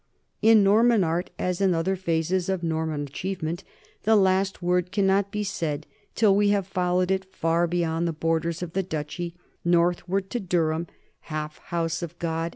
In Norman art, as in other phases of Norman achievement, the last word cannot be said till we have followed it far beyond the borders of the duchy, northward to Durham, "half house of God, 1 Norman Conquest, in, p.